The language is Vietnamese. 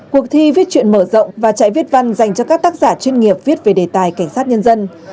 cuộc thi viết chuyện mở rộng và chạy viết văn dành cho các tác giả chuyên nghiệp viết về đề tài cảnh sát nhân dân